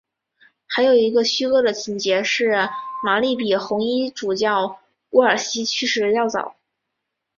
还有一个虚构的情节是玛丽比红衣主教沃尔西去世的要早。